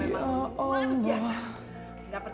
ini jadi aku yang salah